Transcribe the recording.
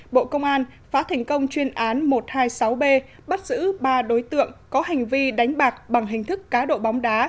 bộ công an phá thành công chuyên án một trăm hai mươi sáu b bắt giữ ba đối tượng có hành vi đánh bạc bằng hình thức cá độ bóng đá